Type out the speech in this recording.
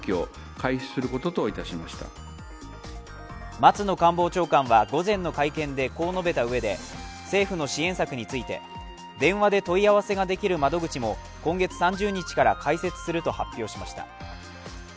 松野官房長官は午前の会見で、こう述べたうえで政府の支援策について電話で問い合わせができる窓口も今月３０日から開設すると発表しました。